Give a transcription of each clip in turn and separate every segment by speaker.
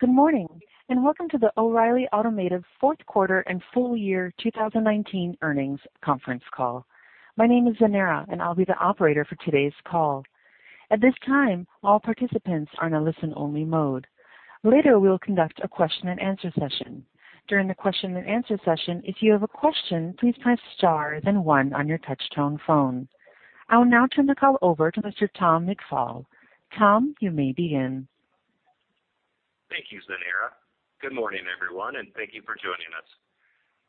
Speaker 1: Good morning, welcome to the O’Reilly Automotive fourth quarter and full year 2019 earnings conference call. My name is Zanera, and I'll be the operator for today's call. At this time, all participants are in a listen-only mode. Later, we'll conduct a question-and-answer session. During the question-and-answer session, if you have a question, please press star then one on your touch-tone phone. I will now turn the call over to Mr. Tom McFall. Tom, you may begin.
Speaker 2: Thank you, Zanera. Good morning, everyone, and thank you for joining us.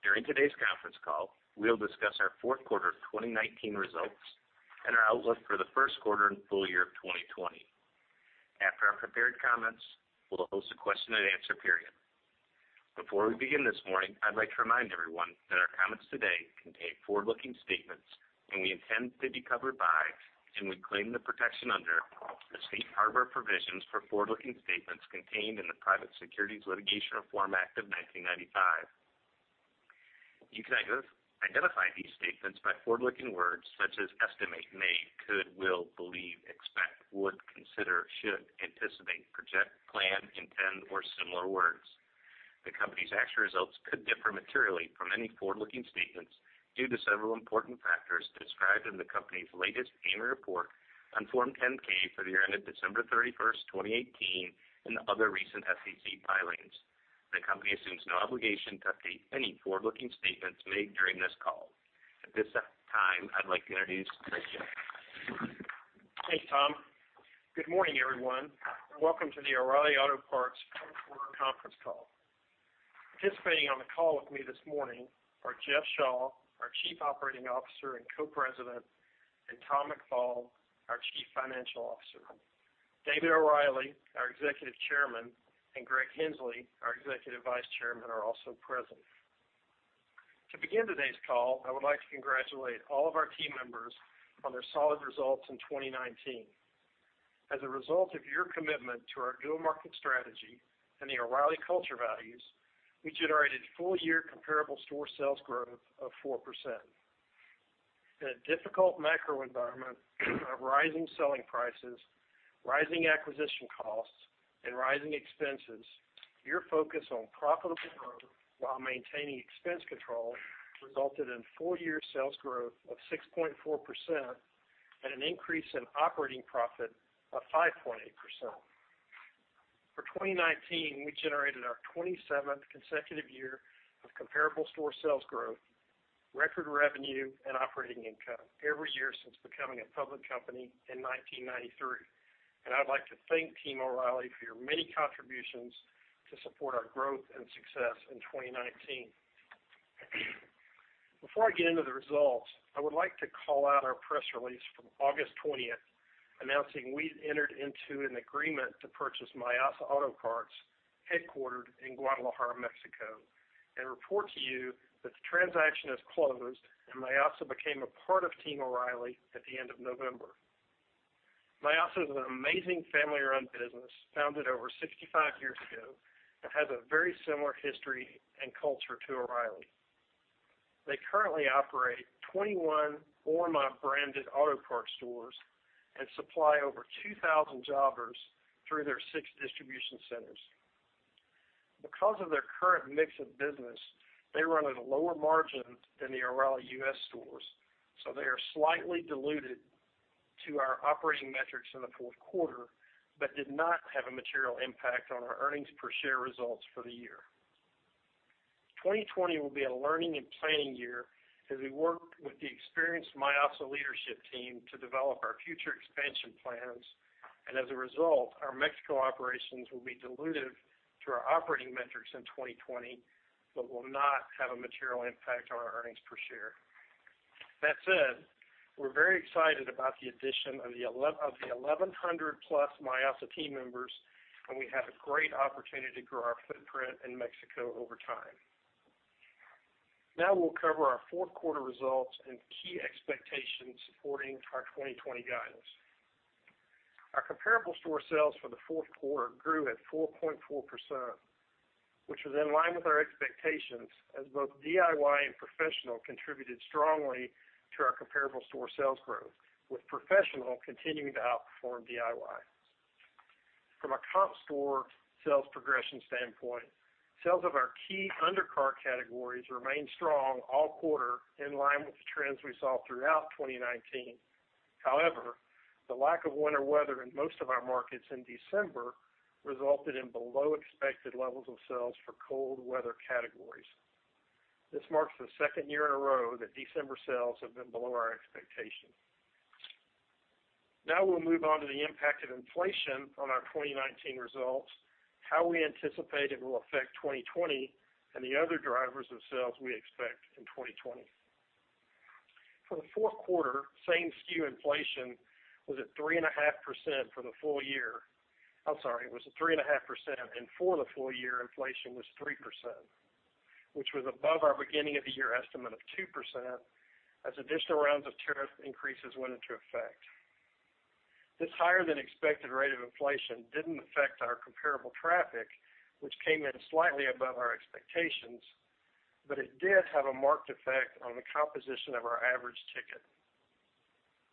Speaker 2: During today's conference call, we'll discuss our fourth quarter 2019 results and our outlook for the first quarter and full year of 2020. After our prepared comments, we'll host a question-and-answer period. Before we begin this morning, I'd like to remind everyone that our comments today contain forward-looking statements, and we intend to be covered by, and we claim the protection under, the safe harbor provisions for forward-looking statements contained in the Private Securities Litigation Reform Act of 1995. You can identify these statements by forward-looking words such as estimate, may, could, will, believe, expect, would, consider, should, anticipate, project, plan, intend, or similar words. The company's actual results could differ materially from any forward-looking statements due to several important factors described in the company's latest annual report on Form 10-K for the year ended December 31st, 2018, and other recent SEC filings. The company assumes no obligation to update any forward-looking statements made during this call. At this time, I'd like to introduce Greg Johnson.
Speaker 3: Thanks, Tom. Good morning, everyone, and welcome to the O'Reilly Auto Parts fourth quarter conference call. Participating on the call with me this morning are Jeff Shaw, our Chief Operating Officer and Co-president, and Tom McFall, our Chief Financial Officer. David O'Reilly, our Executive Chairman, and Greg Henslee, our Executive Vice Chairman, are also present. To begin today's call, I would like to congratulate all of our team members on their solid results in 2019. As a result of your commitment to our dual market strategy and the O'Reilly culture values, we generated full-year comparable store sales growth of 4%. In a difficult macro environment of rising selling prices, rising acquisition costs, and rising expenses, your focus on profitable growth while maintaining expense control resulted in full-year sales growth of 6.4% and an increase in operating profit of 5.8%. For 2019, we generated our 27th consecutive year of comparable store sales growth, record revenue, and operating income every year since becoming a public company in 1993. I'd like to thank Team O'Reilly for your many contributions to support our growth and success in 2019. Before I get into the results, I would like to call out our press release from August 20th announcing we'd entered into an agreement to purchase Mayasa Auto Parts, headquartered in Guadalajara, Mexico, and report to you that the transaction has closed, and Mayasa became a part of Team O'Reilly at the end of November. Mayasa is an amazing family-run business founded over 65 years ago and has a very similar history and culture to O'Reilly. They currently operate 21 ORMA-branded auto parts stores and supply over 2,000 jobbers through their six distribution centers. Because of their current mix of business, they run at a lower margin than the O'Reilly U.S. stores, so they are slightly diluted to our operating metrics in the fourth quarter but did not have a material impact on our earnings per share results for the year. 2020 will be a learning and planning year as we work with the experienced Mayasa leadership team to develop our future expansion plans, and as a result, our Mexico operations will be dilutive to our operating metrics in 2020 but will not have a material impact on our earnings per share. That said, we're very excited about the addition of the 1,100+ Mayasa team members, and we have a great opportunity to grow our footprint in Mexico over time. Now we'll cover our fourth quarter results and key expectations supporting our 2020 guidance. Our comparable store sales for the fourth quarter grew at 4.4%, which was in line with our expectations as both DIY and professional contributed strongly to our comparable store sales growth, with professional continuing to outperform DIY. From a comp store sales progression standpoint, sales of our key undercar categories remained strong all quarter, in line with the trends we saw throughout 2019. However, the lack of winter weather in most of our markets in December resulted in below-expected levels of sales for cold weather categories. This marks the second year in a row that December sales have been below our expectations. Now we'll move on to the impact of inflation on our 2019 results, how we anticipate it will affect 2020, and the other drivers of sales we expect in 2020. For the fourth quarter, same SKU inflation was at 3.5% for the full year. I'm sorry, it was at 3.5%, and for the full year, inflation was 3%, which was above our beginning of the year estimate of 2% as additional rounds of tariff increases went into effect. This higher than expected rate of inflation didn't affect our comparable traffic, which came in slightly above our expectations, but it did have a marked effect on the composition of our average ticket.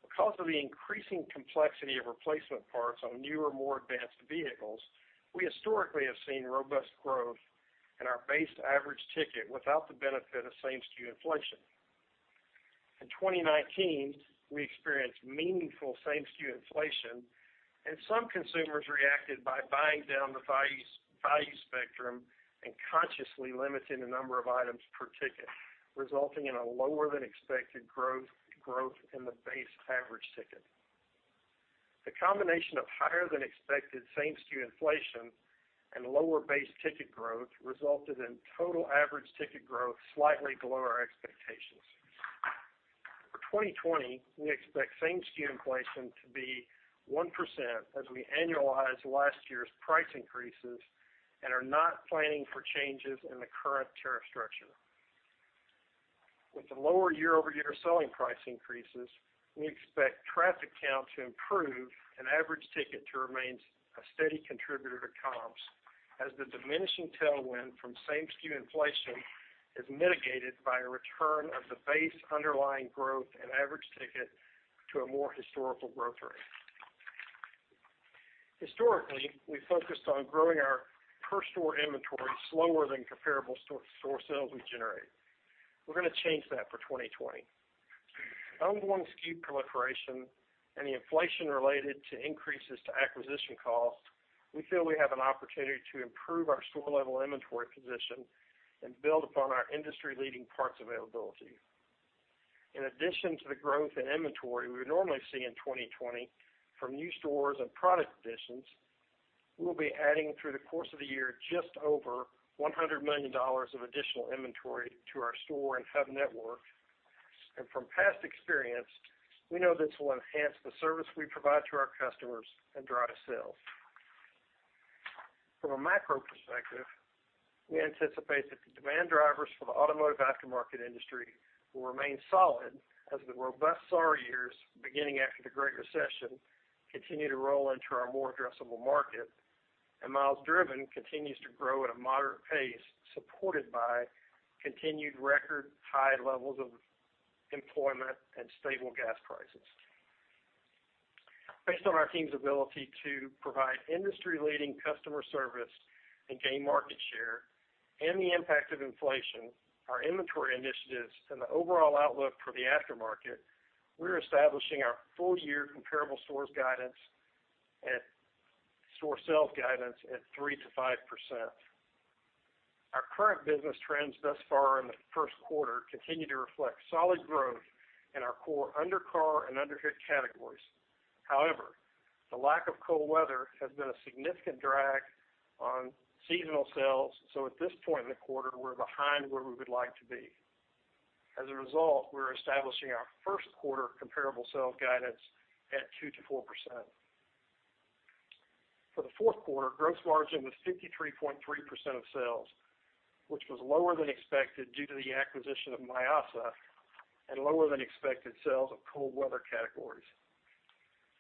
Speaker 3: Because of the increasing complexity of replacement parts on newer, more advanced vehicles, we historically have seen robust growth in our base average ticket without the benefit of same-SKU inflation. In 2019, we experienced meaningful same-SKU inflation, and some consumers reacted by buying down the value spectrum and consciously limiting the number of items per ticket, resulting in a lower than expected growth in the base average ticket. The combination of higher than expected same-sku inflation and lower base ticket growth resulted in total average ticket growth slightly below our expectations. For 2020, we expect same-sku inflation to be 1% as we annualize last year's price increases and are not planning for changes in the current tariff structure. With the lower year-over-year selling price increases, we expect traffic count to improve and average ticket to remain a steady contributor to comps, as the diminishing tailwind from same-sku inflation is mitigated by a return of the base underlying growth and average ticket to a more historical growth rate. Historically, we focused on growing our per store inventory slower than comparable store sales we generate. We're going to change that for 2020. Ongoing SKU proliferation and the inflation related to increases to acquisition cost, we feel we have an opportunity to improve our store-level inventory position and build upon our industry-leading parts availability. In addition to the growth in inventory we would normally see in 2020 from new stores and product additions, we'll be adding through the course of the year, just over $100 million of additional inventory to our store and hub network. From past experience, we know this will enhance the service we provide to our customers and drive sales. From a macro perspective, we anticipate that the demand drivers for the automotive aftermarket industry will remain solid as the robust SAR years, beginning after the Great Recession, continue to roll into our more addressable market, and miles driven continues to grow at a moderate pace, supported by continued record-high levels of employment and stable gas prices. Based on our team's ability to provide industry-leading customer service and gain market share and the impact of inflation, our inventory initiatives, and the overall outlook for the aftermarket, we're establishing our full-year comparable store sales guidance at 3%-5%. Our current business trends thus far in the first quarter continue to reflect solid growth in our core under car and underhood categories. However, the lack of cold weather has been a significant drag on seasonal sales, at this point in the quarter, we're behind where we would like to be. As a result, we're establishing our first quarter comparable sales guidance at 2%-4%. For the fourth quarter, gross margin was 53.3% of sales, which was lower than expected due to the acquisition of Mayasa and lower than expected sales of cold weather categories.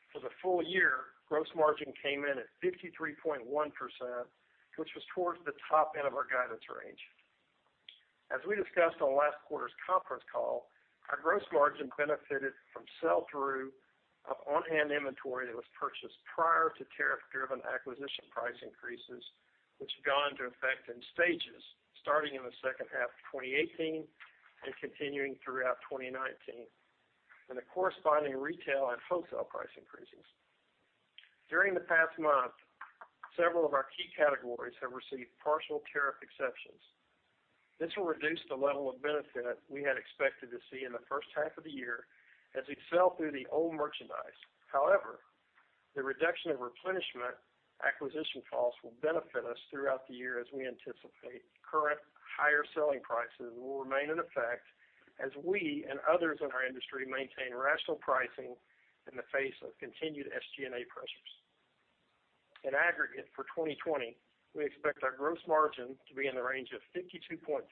Speaker 3: For the full year, gross margin came in at 53.1%, which was towards the top end of our guidance range. As we discussed on last quarter's conference call, our gross margin benefited from sell-through of on-hand inventory that was purchased prior to tariff-driven acquisition price increases, which have gone into effect in stages starting in the second half of 2018 and continuing throughout 2019, and the corresponding retail and wholesale price increases. During the past month, several of our key categories have received partial tariff exceptions. This will reduce the level of benefit we had expected to see in the first half of the year as we sell through the old merchandise. However, the reduction in replenishment acquisition costs will benefit us throughout the year as we anticipate current higher selling prices will remain in effect as we and others in our industry maintain rational pricing in the face of continued SG&A pressures. In aggregate for 2020, we expect our gross margin to be in the range of 52.5%-53%,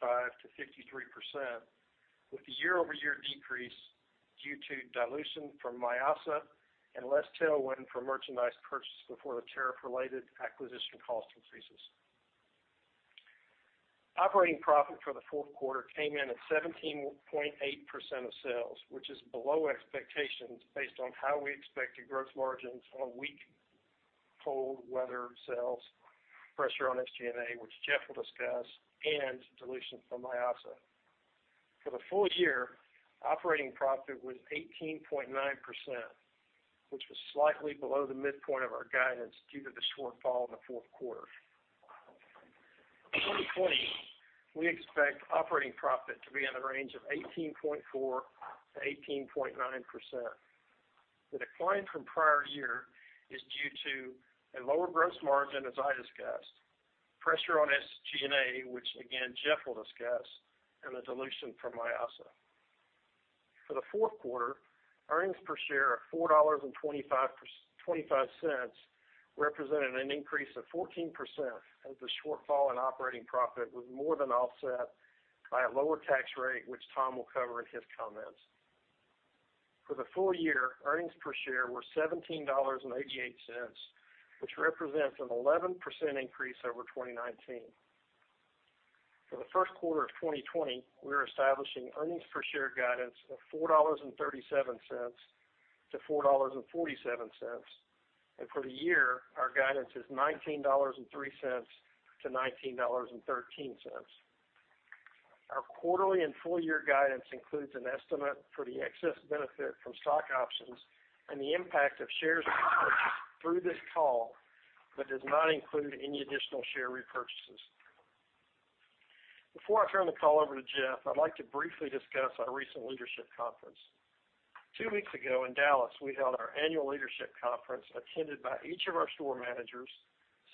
Speaker 3: with the year-over-year decrease due to dilution from Mayasa and less tailwind from merchandise purchased before the tariff-related acquisition cost increases. Operating profit for the fourth quarter came in at 17.8% of sales, which is below expectations based on how we expected gross margins on weak cold weather sales, pressure on SG&A, which Jeff will discuss, and dilution from Mayasa. For the full year, operating profit was 18.9%, which was slightly below the midpoint of our guidance due to the shortfall in the fourth quarter. For 2020, we expect operating profit to be in the range of 18.4%-18.9%. The decline from prior year is due to a lower gross margin, as I discussed, pressure on SG&A, which again, Jeff will discuss, and the dilution from Mayasa. For the fourth quarter, earnings per share of $4.25 represented an increase of 14% as the shortfall in operating profit was more than offset by a lower tax rate, which Tom will cover in his comments. For the full year, earnings per share were $17.88, which represents an 11% increase over 2019. For the first quarter of 2020, we are establishing earnings per share guidance of $4.37-$4.47. For the year, our guidance is $19.03-$19.13. Our quarterly and full year guidance includes an estimate for the excess benefit from stock options and the impact of shares purchased through this call, but does not include any additional share repurchases. Before I turn the call over to Jeff, I'd like to briefly discuss our recent leadership conference. Two weeks ago in Dallas, we held our annual leadership conference attended by each of our store managers,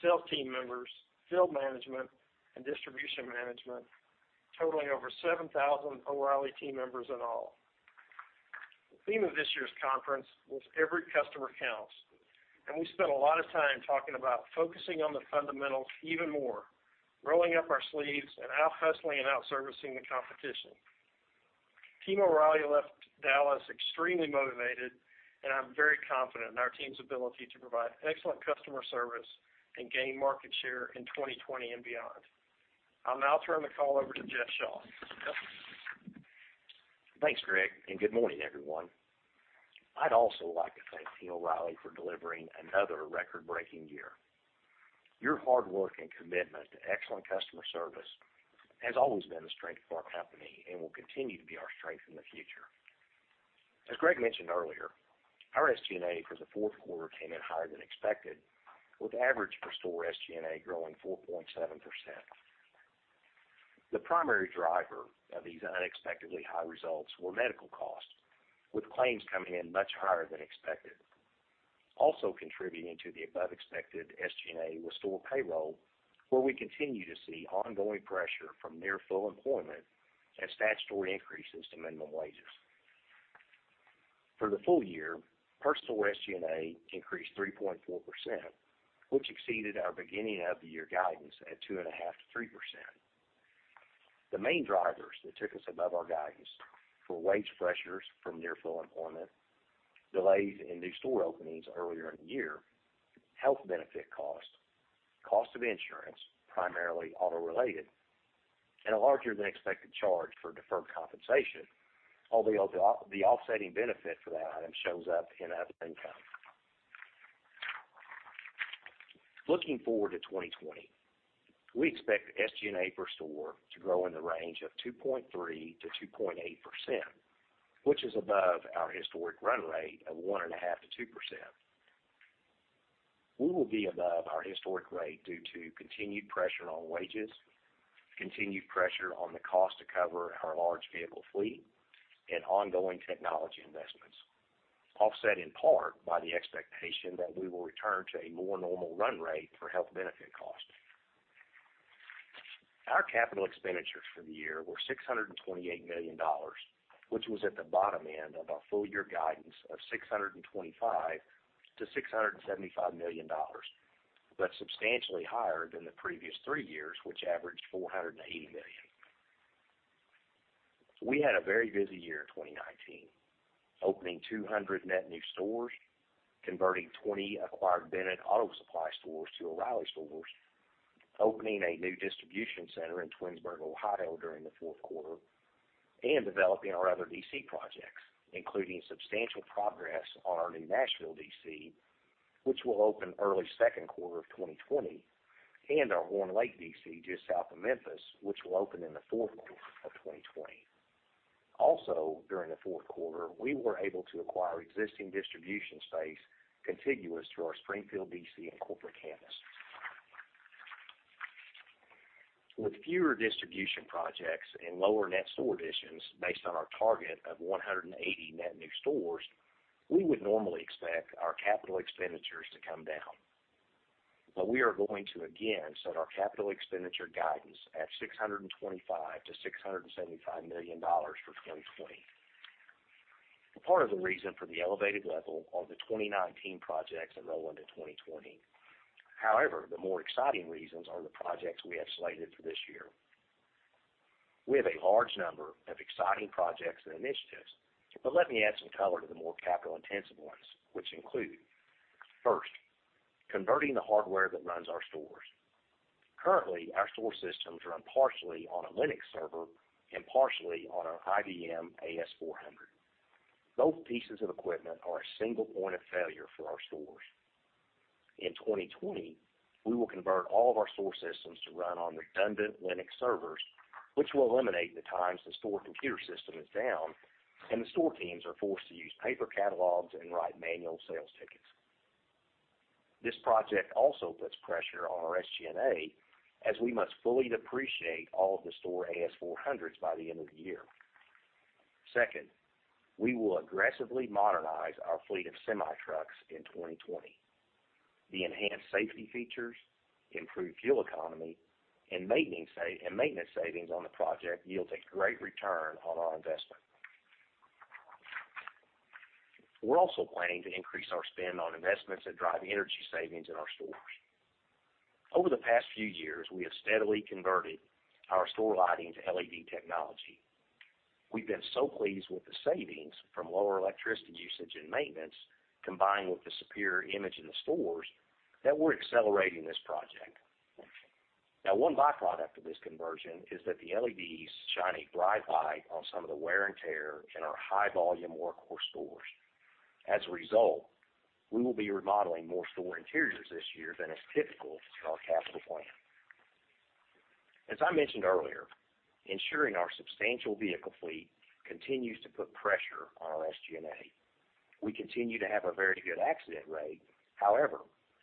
Speaker 3: sales team members, field management, and distribution management, totaling over 7,000 O'Reilly team members in all. The theme of this year's conference was Every Customer Counts, and we spent a lot of time talking about focusing on the fundamentals even more, rolling up our sleeves, and out-hustling and out-servicing the competition. Team O'Reilly left Dallas extremely motivated, and I'm very confident in our team's ability to provide excellent customer service and gain market share in 2020 and beyond. I'll now turn the call over to Jeff Shaw. Jeff?
Speaker 4: Thanks, Greg, and good morning, everyone. I'd also like to thank Team O'Reilly for delivering another record-breaking year. Your hard work and commitment to excellent customer service has always been the strength of our company and will continue to be our strength in the future. As Greg mentioned earlier, our SG&A for the fourth quarter came in higher than expected, with average per store SG&A growing 4.7%. The primary driver of these unexpectedly high results were medical costs, with claims coming in much higher than expected. Also contributing to the above expected SG&A was store payroll, where we continue to see ongoing pressure from near full employment and statutory increases to minimum wages. For the full year, per store SG&A increased 3.4%, which exceeded our beginning of the year guidance at 2.5%-3%. The main drivers that took us above our guidance were wage pressures from near full employment, delays in new store openings earlier in the year, health benefit cost of insurance, primarily auto-related, and a larger than expected charge for deferred compensation, although the offsetting benefit for that item shows up in net income. Looking forward to 2020, we expect SG&A per store to grow in the range of 2.3%-2.8%, which is above our historic run rate of 1.5%-2%. We will be above our historic rate due to continued pressure on wages, continued pressure on the cost to cover our large vehicle fleet, and ongoing technology investments, offset in part by the expectation that we will return to a more normal run rate for health benefit cost. Our capital expenditures for the year were $628 million, which was at the bottom end of our full year guidance of $625 million-$675 million, but substantially higher than the previous three years, which averaged $480 million. We had a very busy year in 2019, opening 200 net new stores, converting 20 acquired Bennett Auto Supply stores to O'Reilly stores, opening a new distribution center in Twinsburg, Ohio during the fourth quarter, and developing our other DC projects, including substantial progress on our new Nashville DC, which will open early second quarter of 2020, and our Horn Lake DC just south of Memphis, which will open in the fourth quarter of 2020. Also, during the fourth quarter, we were able to acquire existing distribution space contiguous to our Springfield DC and corporate campus. With fewer distribution projects and lower net store additions based on our target of 180 net new stores, we would normally expect our capital expenditures to come down, but we are going to again set our capital expenditure guidance at $625 million-$675 million for 2020. Part of the reason for the elevated level are the 2019 projects that roll into 2020. The more exciting reasons are the projects we have slated for this year. We have a large number of exciting projects and initiatives, but let me add some color to the more capital-intensive ones, which include, first, converting the hardware that runs our stores. Currently, our store systems run partially on a Linux server and partially on an IBM AS/400. Both pieces of equipment are a single point of failure for our stores. In 2020, we will convert all of our store systems to run on redundant Linux servers, which will eliminate the times the store computer system is down and the store teams are forced to use paper catalogs and write manual sales tickets. This project also puts pressure on our SG&A, as we must fully depreciate all of the store AS/400s by the end of the year. Second, we will aggressively modernize our fleet of semi-trucks in 2020. The enhanced safety features, improved fuel economy, and maintenance savings on the project yields a great return on our investment. We're also planning to increase our spend on investments that drive energy savings in our stores. Over the past few years, we have steadily converted our store lighting to LED technology. We've been so pleased with the savings from lower electricity usage and maintenance, combined with the superior image in the stores, that we're accelerating this project. Now, one byproduct of this conversion is that the LEDs shine a bright light on some of the wear and tear in our high-volume workhorse stores. As a result, we will be remodeling more store interiors this year than is typical in our capital plan. As I mentioned earlier, ensuring our substantial vehicle fleet continues to put pressure on our SG&A. We continue to have a very good accident rate. However,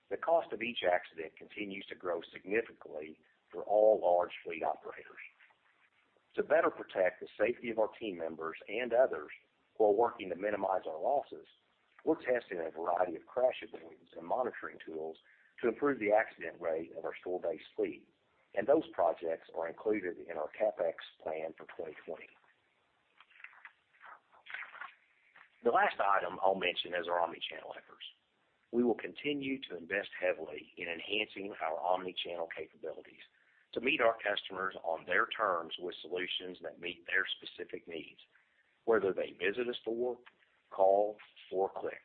Speaker 4: the cost of each accident continues to grow significantly for all large fleet operators. To better protect the safety of our team members and others while working to minimize our losses, we're testing a variety of crash avoidance and monitoring tools to improve the accident rate of our store-based fleet, and those projects are included in our CapEx plan for 2020. The last item I'll mention is our omnichannel efforts. We will continue to invest heavily in enhancing our omnichannel capabilities to meet our customers on their terms with solutions that meet their specific needs, whether they visit a store, call, or click.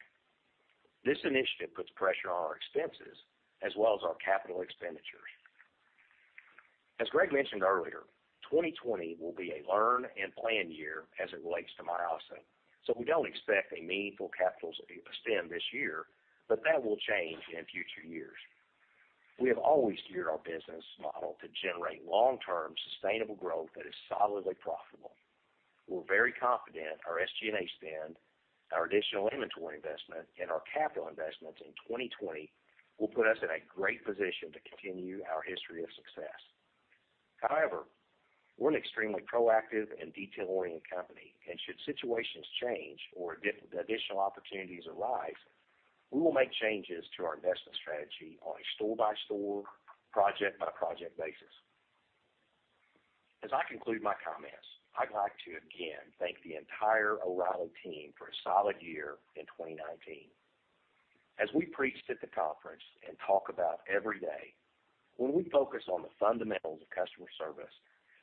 Speaker 4: This initiative puts pressure on our expenses as well as our capital expenditures. As Greg mentioned earlier, 2020 will be a learn and plan year as it relates to Mayasa, so we don't expect a meaningful capital spend this year, but that will change in future years. We have always geared our business model to generate long-term sustainable growth that is solidly profitable. We're very confident our SG&A spend, our additional inventory investment, and our capital investments in 2020 will put us in a great position to continue our history of success. However, we're an extremely proactive and detail-oriented company, and should situations change or additional opportunities arise, we will make changes to our investment strategy on a store-by-store, project-by-project basis. As I conclude my comments, I'd like to again thank the entire O'Reilly team for a solid year in 2019. As we preached at the conference and talk about every day, when we focus on the fundamentals of customer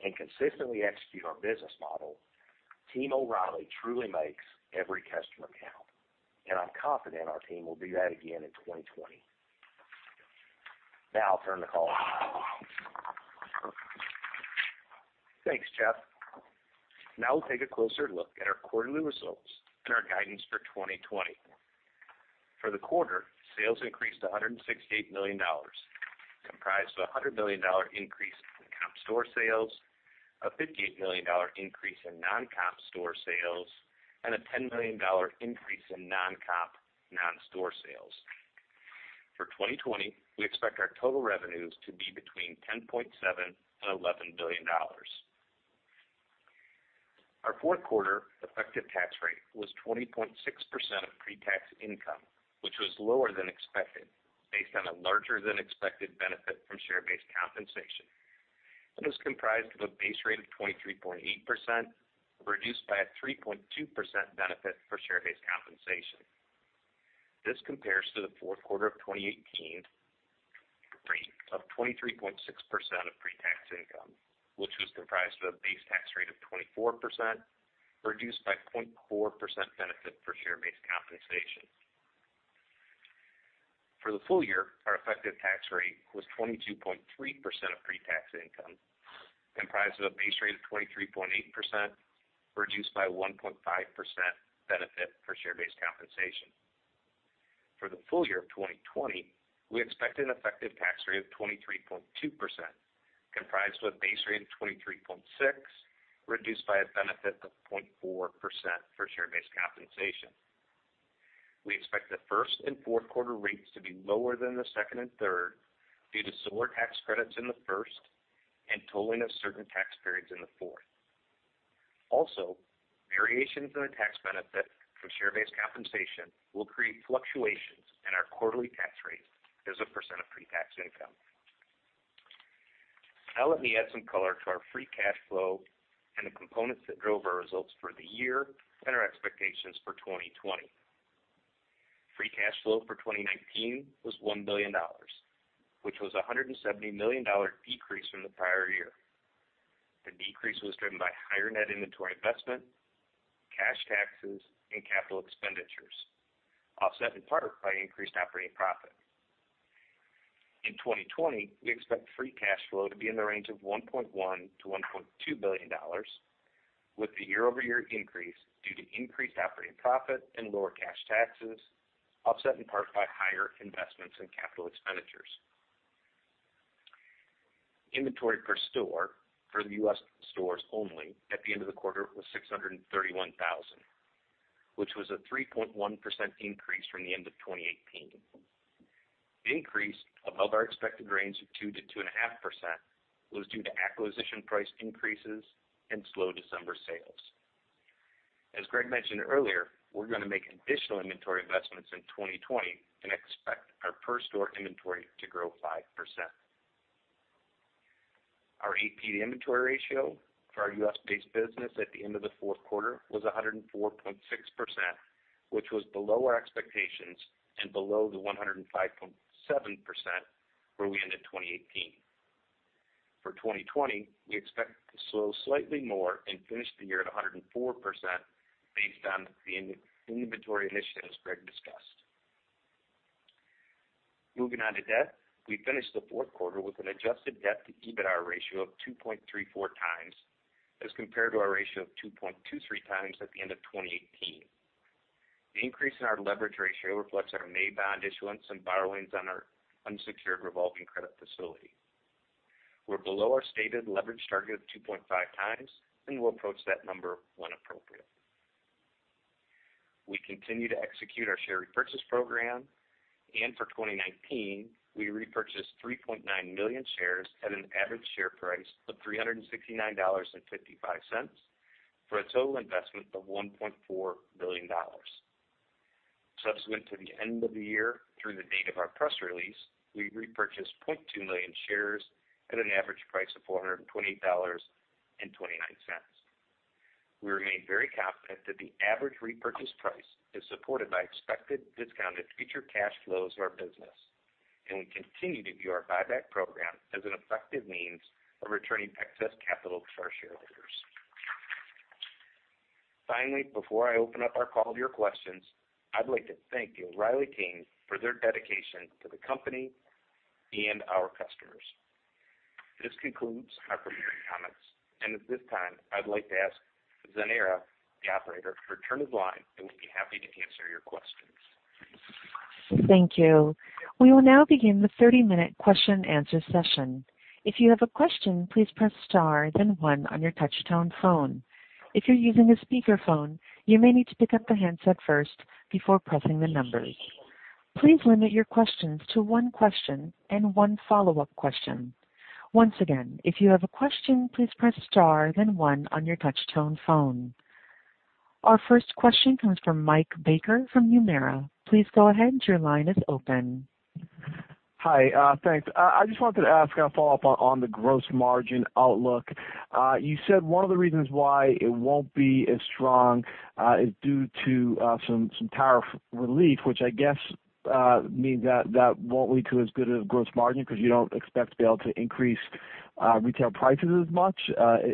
Speaker 4: service and consistently execute our business model, Team O'Reilly truly makes every customer count, and I'm confident our team will do that again in 2020. Now I'll turn the call over to Tom.
Speaker 2: Thanks, Jeff. Now we'll take a closer look at our quarterly results and our guidance for 2020. For the quarter, sales increased to $168 million, comprised of $100 million increase in comp store sales, a $58 million increase in non-comp store sales, and a $10 million increase in non-comp non-store sales. For 2020, we expect our total revenues to be between $10.7 and $11 billion. Our fourth quarter effective tax rate was 20.6% of pre-tax income, which was lower than expected based on a larger than expected benefit from share-based compensation, and was comprised of a base rate of 23.8%, reduced by a 3.2% benefit for share-based compensation. This compares to the fourth quarter of 2018 rate of 23.6% of pre-tax income, which was comprised of a base tax rate of 24%, reduced by 0.4% benefit for share-based compensation. For the full year, our effective tax rate was 22.3% of pre-tax income, comprised of a base rate of 23.8%, reduced by 1.5% benefit for share-based compensation. For the full year of 2020, we expect an effective tax rate of 23.2%, comprised of a base rate of 23.6%, reduced by a benefit of 0.4% for share-based compensation. We expect the first and fourth quarter rates to be lower than the second and third due to lower tax credits in the first and totaling of certain tax periods in the fourth. Also, variations in the tax benefit from share-based compensation will create fluctuations in our quarterly tax rate as a percent of pre-tax income. Now let me add some color to our free cash flow and the components that drove our results for the year and our expectations for 2020. Free cash flow for 2019 was $1 billion, which was a $170 million decrease from the prior year. The decrease was driven by higher net inventory investment, cash taxes, and capital expenditures, offset in part by increased operating profit. In 2020, we expect free cash flow to be in the range of $1.1 billion-$1.2 billion, with the year-over-year increase due to increased operating profit and lower cash taxes, offset in part by higher investments in capital expenditures. Inventory per store for the U.S. stores only at the end of the quarter was 631,000, which was a 3.1% increase from the end of 2018. The increase above our expected range of 2%-2.5% was due to acquisition price increases and slow December sales. As Greg mentioned earlier, we're going to make additional inventory investments in 2020 and expect our per store inventory to grow 5%. Our AP inventory ratio for our U.S.-based business at the end of the fourth quarter was 104.6%, which was below our expectations and below the 105.7% where we ended 2018. For 2020, we expect to slow slightly more and finish the year at 104%, based on the inventory initiatives Greg discussed. Moving on to debt. We finished the fourth quarter with an adjusted debt-to-EBITDA ratio of 2.34x as compared to our ratio of 2.23x at the end of 2018. The increase in our leverage ratio reflects our May bond issuance and borrowings on our unsecured revolving credit facility. We're below our stated leverage target of 2.5x, and we'll approach that number when appropriate. We continue to execute our share repurchase program, and for 2019, we repurchased 3.9 million shares at an average share price of $369.55 for a total investment of $1.4 billion. Subsequent to the end of the year through the date of our press release, we repurchased 0.2 million shares at an average price of $420.29. We remain very confident that the average repurchase price is supported by expected discounted future cash flows of our business, and we continue to view our buyback program as an effective means of returning excess capital to our shareholders. Finally, before I open up our call to your questions, I'd like to thank the O'Reilly team for their dedication to the company and our customers. This concludes my prepared comments, and at this time, I'd like to ask Zanera, the operator, to turn to the line, and we'll be happy to answer your questions.
Speaker 1: Thank you. We will now begin the 30-minute question-and-answer session. If you have a question, please press star then one on your touch-tone phone. If you're using a speakerphone, you may need to pick up the handset first before pressing the numbers. Please limit your questions to one question and one follow-up question. Once again, if you have a question, please press star then one on your touch-tone phone. Our first question comes from Mike Baker from Nomura. Please go ahead. Your line is open.
Speaker 5: Hi. Thanks. I just wanted to ask a follow-up on the gross margin outlook. You said one of the reasons why it won't be as strong is due to some tariff relief, which I guess means that won't lead to as good a gross margin because you don't expect to be able to increase retail prices as much.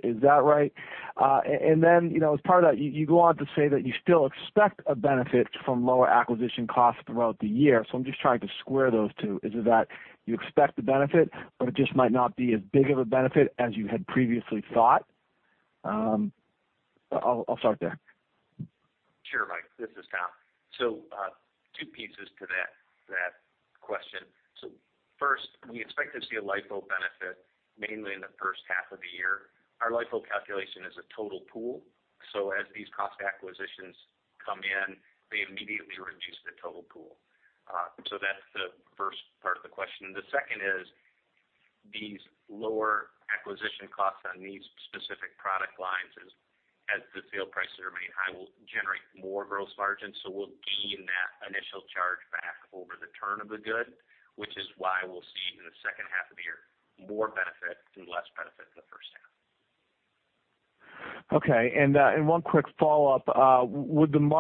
Speaker 5: Is that right? As part of that, you go on to say that you still expect a benefit from lower acquisition costs throughout the year. I'm just trying to square those two. Is it that you expect the benefit, but it just might not be as big of a benefit as you had previously thought? I'll start there.
Speaker 2: Sure, Mike, this is Tom. Two pieces to that question. First, we expect to see a LIFO benefit mainly in the first half of the year. Our LIFO calculation is a total pool, so as these cost acquisitions come in, they immediately reduce the total pool. That's the first part of the question. The second is these lower acquisition costs on these specific product lines, as the sale prices remain high, will generate more gross margin. We'll gain that initial charge back over the turn of the good, which is why we'll see in the second half of the year more benefit and less benefit in the first half.
Speaker 5: Okay. One quick follow-up.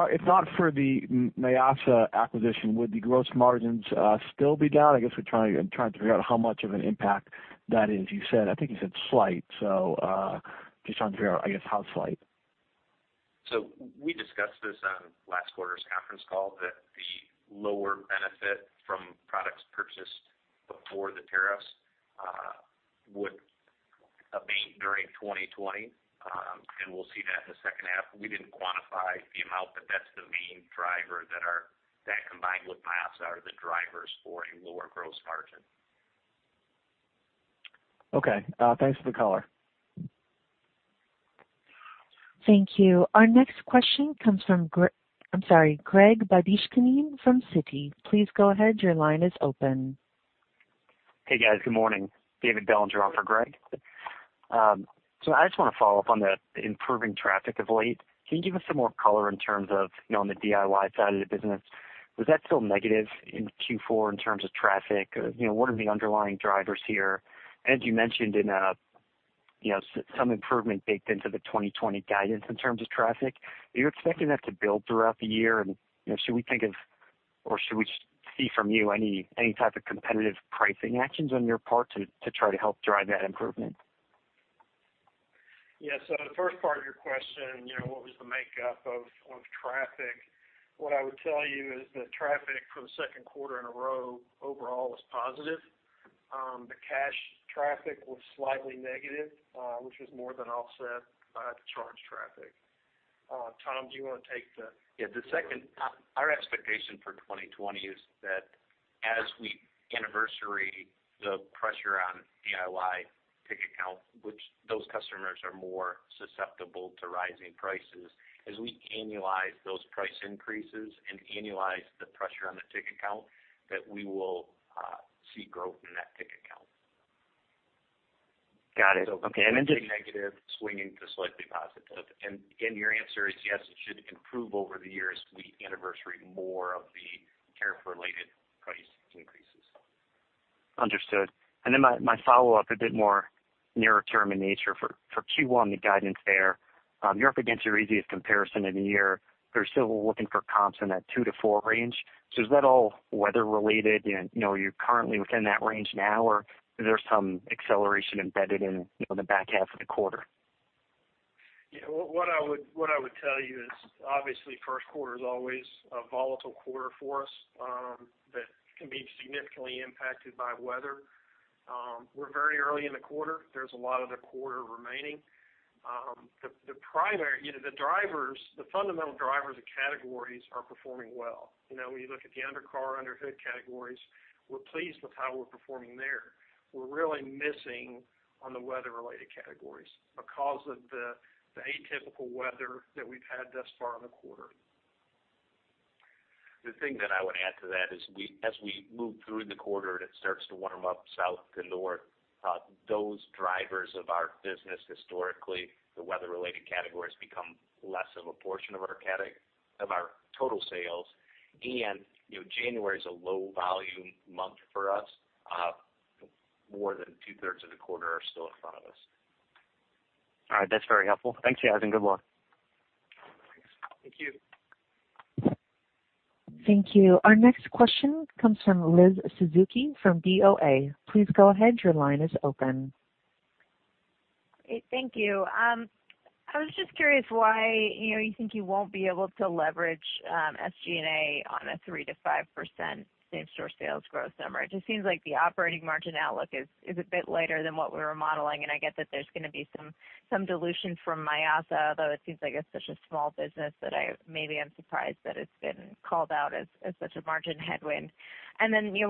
Speaker 5: If not for the Mayasa acquisition, would the gross margins still be down? I guess we're trying to figure out how much of an impact that is. I think you said slight, so just trying to figure out, I guess, how slight.
Speaker 2: We discussed this on last quarter's conference call that the lower benefit from products purchased before the tariffs would abate during 2020, and we'll see that in the second half. We didn't quantify the amount, that's the main driver that combined with Mayasa are the drivers for a lower gross margin.
Speaker 5: Okay. Thanks for the color.
Speaker 1: Thank you. Our next question comes from I'm sorry, Greg Badishkanian from Citi. Please go ahead. Your line is open.
Speaker 6: Hey, guys. Good morning. David Bellinger on for Greg. I just want to follow up on the improving traffic of late. Can you give us some more color in terms of on the DIY side of the business? Was that still negative in Q4 in terms of traffic? What are the underlying drivers here? You mentioned some improvement baked into the 2020 guidance in terms of traffic. Are you expecting that to build throughout the year, and should we think of or should we see from you any type of competitive pricing actions on your part to try to help drive that improvement?
Speaker 3: Yeah. The first part of your question, what was the makeup of traffic? What I would tell you is that traffic for the second quarter in a row overall was positive. The cash traffic was slightly negative, which was more than offset by the charge traffic. Tom, do you want to take?
Speaker 2: Yeah. Our expectation for 2020 is that as we anniversary the pressure on DIY tick count, which those customers are more susceptible to rising prices, as we annualize those price increases and annualize the pressure on the tick count, that we will see growth in that tick count.
Speaker 6: Got it. Okay.
Speaker 2: Slightly negative swinging to slightly positive. Again, your answer is yes, it should improve over the years as we anniversary more of the tariff-related price increases.
Speaker 6: Understood. My follow-up, a bit more nearer term in nature for Q1, the guidance there. You're up against your easiest comparison of the year. You're still looking for comps in that 2%-4% range. Is that all weather-related and you're currently within that range now, or is there some acceleration embedded in the back half of the quarter?
Speaker 3: Yeah. What I would tell you is obviously first quarter is always a volatile quarter for us that can be significantly impacted by weather. We're very early in the quarter. There's a lot of the quarter remaining. The fundamental drivers of categories are performing well. When you look at the under car, under hood categories, we're pleased with how we're performing there. We're really missing on the weather related categories because of the atypical weather that we've had thus far in the quarter.
Speaker 2: The thing that I would add to that is as we move through the quarter and it starts to warm up south to north, those drivers of our business historically, the weather related categories become less of a portion of our total sales. January is a low volume month for us. More than two thirds of the quarter are still in front of us.
Speaker 6: All right. That's very helpful. Thanks, guys, and good luck.
Speaker 3: Thanks.
Speaker 2: Thank you.
Speaker 1: Thank you. Our next question comes from Eliz Suzuki from BoA. Please go ahead. Your line is open.
Speaker 7: Great. Thank you. I was just curious why you think you won't be able to leverage SG&A on a 3% to 5% same store sales growth number. It just seems like the operating margin outlook is a bit lighter than what we were modeling. I get that there's going to be some dilution from Mayasa, although it seems like it's such a small business that maybe I'm surprised that it's been called out as such a margin headwind.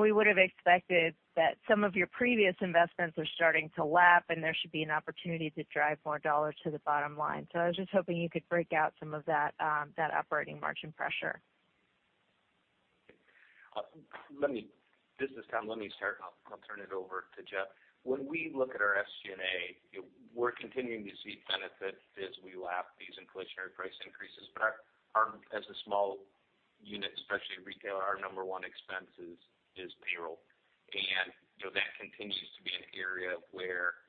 Speaker 7: We would have expected that some of your previous investments are starting to lap and there should be an opportunity to drive more dollars to the bottom line. I was just hoping you could break out some of that operating margin pressure.
Speaker 2: This is Tom. Let me start, and I'll turn it over to Jeff. When we look at our SG&A, we're continuing to see benefit as we lap these inflationary price increases. As a small unit, especially retailer, our number one expense is payroll. That continues to be an area where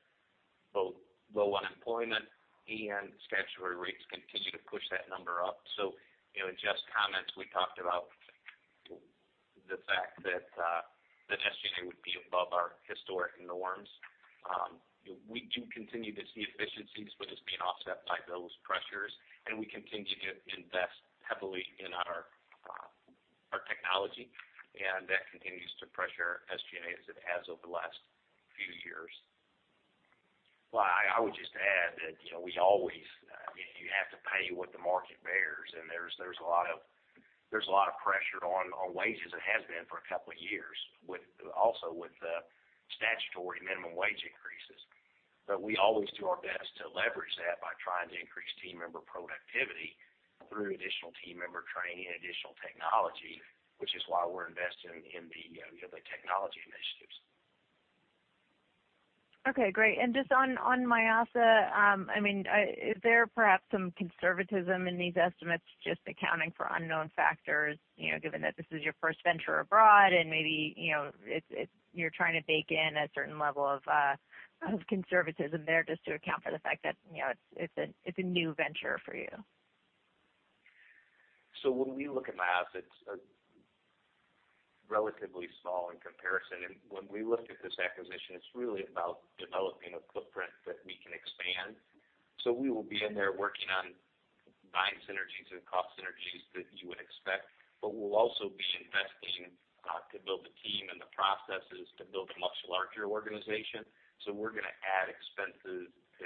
Speaker 2: both low unemployment and statutory rates continue to push that number up. In Jeff's comments, we talked about the fact that SG&A would be above our historic norms. We do continue to see efficiencies, but it's being offset by those pressures, and we continue to invest heavily in our technology, and that continues to pressure SG&A as it has over the last few years.
Speaker 3: Well, I would just add that you have to pay what the market bears, and there's a lot of pressure on wages that has been for a couple of years, also with statutory minimum wage increases. We always do our best to leverage that by trying to increase team member productivity through additional team member training and additional technology, which is why we're investing in the technology initiatives.
Speaker 7: Okay, great. Just on Mayasa, is there perhaps some conservatism in these estimates just accounting for unknown factors, given that this is your first venture abroad and maybe you're trying to bake in a certain level of conservatism there just to account for the fact that it's a new venture for you?
Speaker 2: When we look at Mayasa, it's relatively small in comparison. When we looked at this acquisition, it's really about developing a footprint that we can expand. We will be in there working on buying synergies and cost synergies that you would expect, but we'll also be investing to build the team and the processes to build a much larger organization. We're going to add expenses to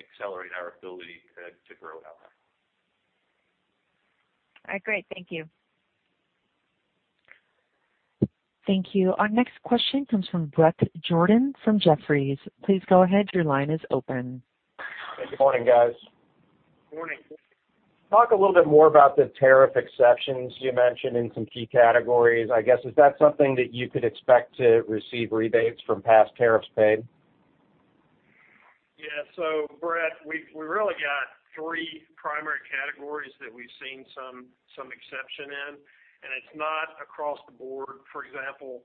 Speaker 2: accelerate our ability to grow out.
Speaker 7: All right, great. Thank you.
Speaker 1: Thank you. Our next question comes from Bret Jordan from Jefferies. Please go ahead. Your line is open.
Speaker 8: Good morning, guys.
Speaker 3: Morning.
Speaker 8: Talk a little bit more about the tariff exceptions you mentioned in some key categories. I guess, is that something that you could expect to receive rebates from past tariffs paid?
Speaker 3: Yeah. Bret, we really got three primary categories that we've seen some exception in, and it's not across the board. For example,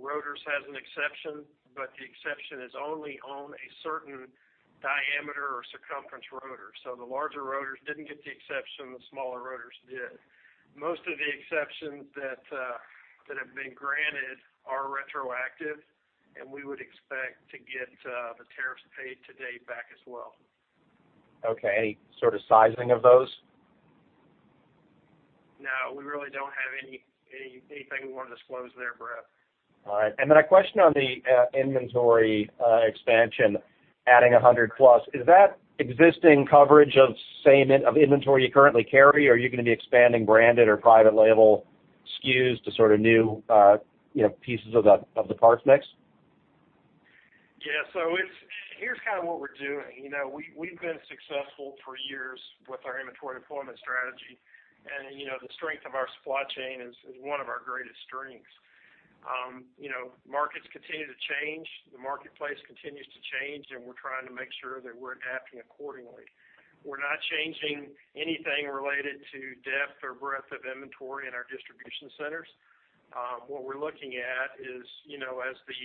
Speaker 3: rotors has an exception, but the exception is only on a certain diameter or circumference rotor. The larger rotors didn't get the exception, the smaller rotors did. Most of the exceptions that have been granted are retroactive, and we would expect to get the tariffs paid to date back as well.
Speaker 8: Okay. Any sort of sizing of those?
Speaker 3: No, we really don't have anything we want to disclose there, Bret.
Speaker 8: All right. A question on the inventory expansion, adding 100+. Is that existing coverage of inventory you currently carry, or are you going to be expanding branded or private label SKUs to sort of new pieces of the parts mix?
Speaker 3: Yeah. Here's kind of what we're doing. We've been successful for years with our inventory deployment strategy. The strength of our supply chain is one of our greatest strengths. Markets continue to change, the marketplace continues to change, we're trying to make sure that we're adapting accordingly. We're not changing anything related to depth or breadth of inventory in our distribution centers. What we're looking at is, as the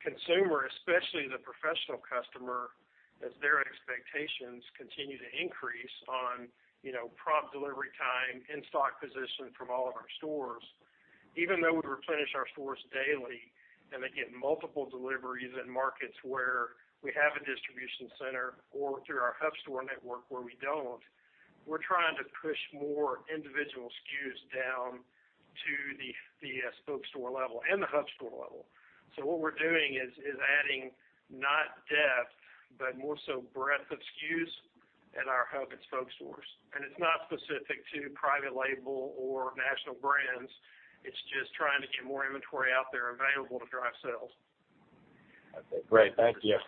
Speaker 3: consumer, especially the professional customer, as their expectations continue to increase on prompt delivery time, in-stock position from all of our stores, even though we replenish our stores daily and they get multiple deliveries in markets where we have a distribution center or through our hub store network where we don't, we're trying to push more individual SKUs down to the spoke store level and the hub store level. What we're doing is adding not depth, but more so breadth of SKUs at our hub and spoke stores. It's not specific to private label or national brands. It's just trying to get more inventory out there available to drive sales.
Speaker 8: Okay, great. Thank you.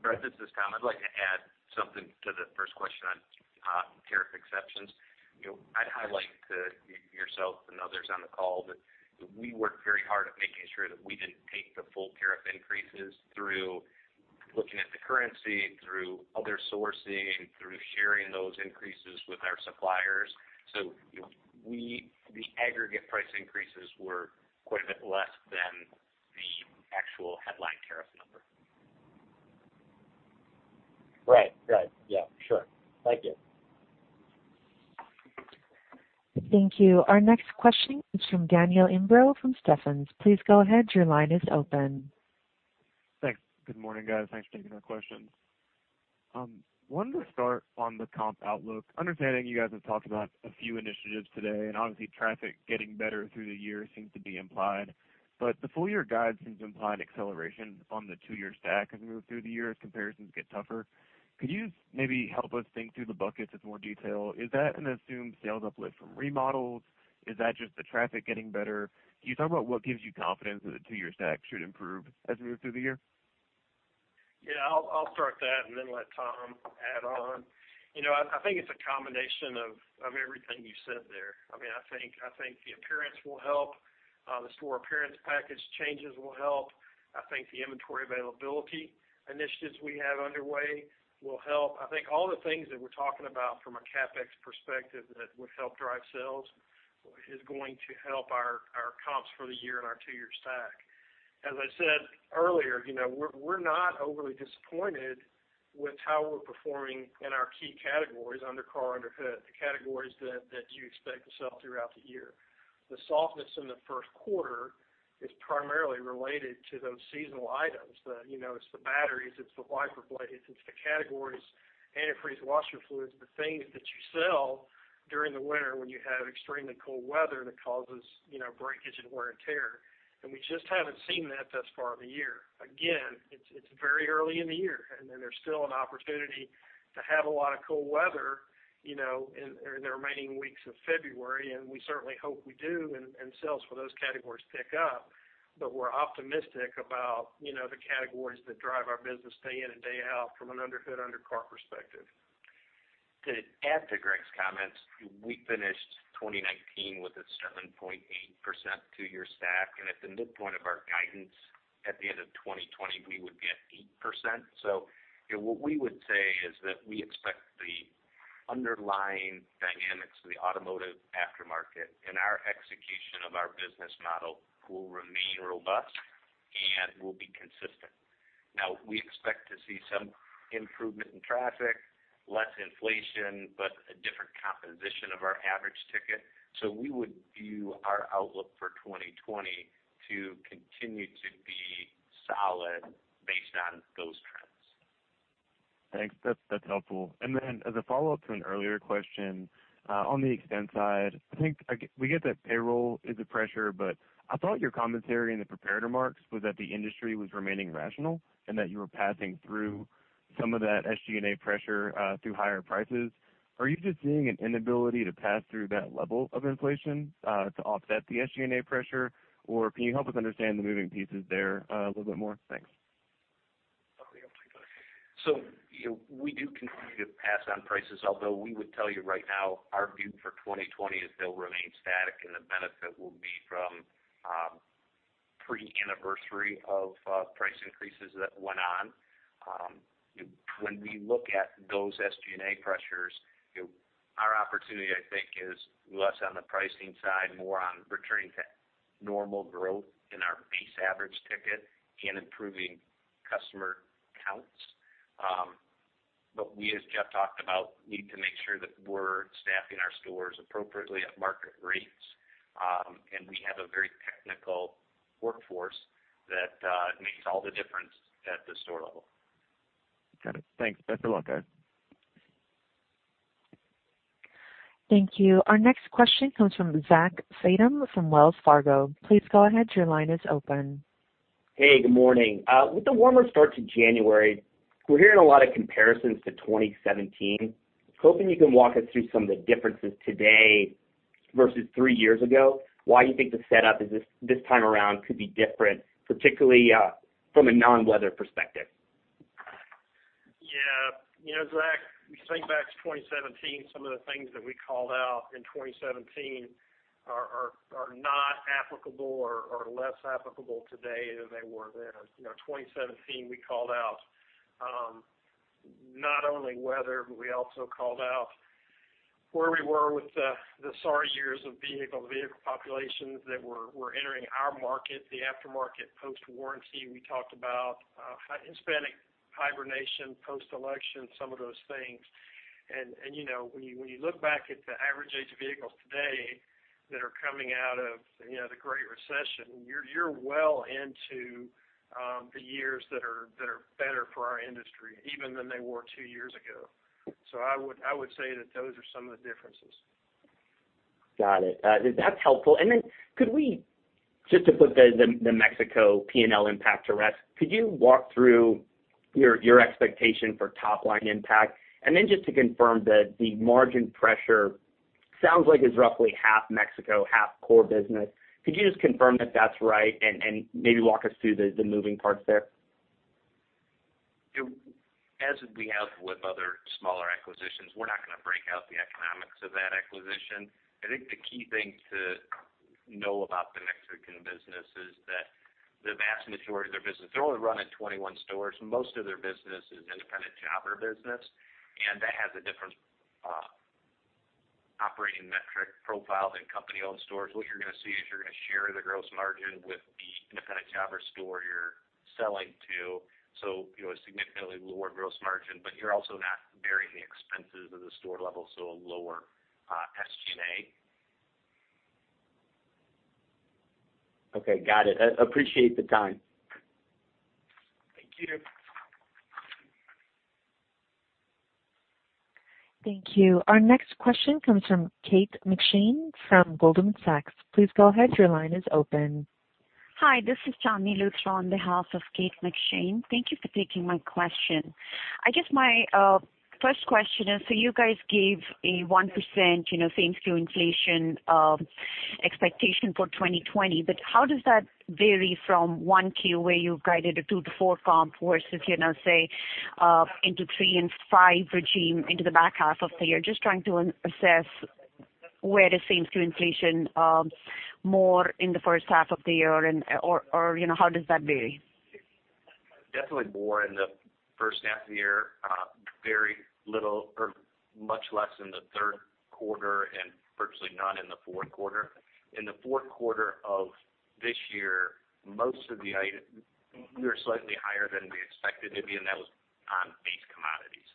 Speaker 2: Greg, this is Tom. I'd like to add something to the first question on tariff exceptions. I'd highlight to yourself and others on the call that we worked very hard at making sure that we didn't take the full tariff increases through looking at the currency, through other sourcing, through sharing those increases with our suppliers. The aggregate price increases were quite a bit less than the actual headline tariff number.
Speaker 8: Right. Yeah, sure. Thank you.
Speaker 1: Thank you. Our next question is from Daniel Imbro from Stephens. Please go ahead. Your line is open.
Speaker 9: Thanks. Good morning, guys. Thanks for taking our questions. Wanted to start on the comp outlook. Understanding you guys have talked about a few initiatives today, and obviously traffic getting better through the year seems to be implied, but the full-year guide seems to imply an acceleration on the two-year stack as we move through the year as comparisons get tougher. Could you maybe help us think through the buckets with more detail? Is that an assumed sales uplift from remodels? Is that just the traffic getting better? Can you talk about what gives you confidence that the two-year stack should improve as we move through the year?
Speaker 3: Yeah, I'll start that and then let Tom add on. I think it's a combination of everything you said there. I think the appearance will help. The store appearance package changes will help. I think the inventory availability initiatives we have underway will help. I think all the things that we're talking about from a CapEx perspective that would help drive sales is going to help our comps for the year and our two-year stack. As I said earlier, we're not overly disappointed with how we're performing in our key categories under car, under hood, the categories that you expect to sell throughout the year. The softness in the first quarter is primarily related to those seasonal items. It's the batteries, it's the wiper blades, it's the categories, antifreeze, washer fluids, the things that you sell during the winter when you have extremely cold weather that causes breakage and wear and tear. We just haven't seen that thus far in the year. Again, it's very early in the year. There's still an opportunity to have a lot of cold weather in the remaining weeks of February, and we certainly hope we do and sales for those categories pick up. We're optimistic about the categories that drive our business day in and day out from an under hood/under car perspective.
Speaker 2: To add to Greg's comments, we finished 2019 with a 7.8% two-year stack. At the midpoint of our guidance at the end of 2020, we would be at 8%. What we would say is that we expect the underlying dynamics of the automotive aftermarket and our execution of our business model will remain robust and will be consistent. Now, we expect to see some improvement in traffic, less inflation, but a different composition of our average ticket. We would view our outlook for 2020 to continue to be solid based on those trends.
Speaker 9: Thanks. That's helpful. Then as a follow-up to an earlier question, on the extend side, I think we get that payroll is a pressure, but I thought your commentary in the prepared remarks was that the industry was remaining rational and that you were passing through some of that SG&A pressure through higher prices. Are you just seeing an inability to pass through that level of inflation to offset the SG&A pressure, or can you help us understand the moving pieces there a little bit more? Thanks.
Speaker 2: We do continue to pass on prices, although we would tell you right now our view for 2020 is they'll remain static and the benefit will be from pre-anniversary of price increases that went on. When we look at those SG&A pressures, our opportunity, I think is less on the pricing side, more on returning to normal growth in our base average ticket and improving customer counts. We, as Jeff talked about, need to make sure that we're staffing our stores appropriately at market rates. We have a very technical workforce that makes all the difference at the store level.
Speaker 9: Got it. Thanks. Best of luck, guys.
Speaker 1: Thank you. Our next question comes from Zack Fadem from Wells Fargo. Please go ahead. Your line is open.
Speaker 10: Hey, good morning. With the warmer start to January, we're hearing a lot of comparisons to 2017. I was hoping you can walk us through some of the differences today versus three years ago. Why you think the setup this time around could be different, particularly from a non-weather perspective?
Speaker 3: Yeah. Zack, you think back to 2017, some of the things that we called out in 2017 are not applicable or are less applicable today than they were then. 2017, we called out not only weather, but we also called out where we were with the SAR years of vehicle populations that were entering our market, the aftermarket post-warranty. We talked about Hispanic hibernation post-election, some of those things. When you look back at the average age of vehicles today that are coming out of the Great Recession, you're well into the years that are better for our industry, even than they were two years ago. I would say that those are some of the differences.
Speaker 10: Got it. That's helpful. Could we, just to put the Mexico P&L impact to rest, could you walk through your expectation for top-line impact? Just to confirm that the margin pressure sounds like it's roughly half Mexico, half core business. Could you just confirm that that's right and maybe walk us through the moving parts there?
Speaker 2: As we have with other smaller acquisitions, we're not going to break out the economics of that acquisition. I think the key thing to know about the Mexican business is that the vast majority of their business, they're only running 21 stores. Most of their business is independent jobber business, and that has a different operating metric profile than company-owned stores. What you're going to see is you're going to share the gross margin with the independent jobber store you're selling to. A significantly lower gross margin, but you're also not bearing the expenses of the store level, so a lower SG&A.
Speaker 10: Okay, got it. Appreciate the time.
Speaker 3: Thank you.
Speaker 1: Thank you. Our next question comes from Kate McShane from Goldman Sachs. Please go ahead. Your line is open.
Speaker 11: Hi, this is Chandni Luthra on behalf of Kate McShane. Thank you for taking my question. My first question is, you guys gave a 1% same-store inflation expectation for 2020, but how does that vary from 1Q where you guided a 2%-4% comp versus, say, into 3%-5% regime into the back half of the year? Just trying to assess where the same-store inflation more in the first half of the year or how does that vary?
Speaker 2: Definitely more in the first half of the year. Very little or much less in the third quarter and virtually none in the fourth quarter. In the fourth quarter of this year, most of the items were slightly higher than we expected to be, and that was on base commodities.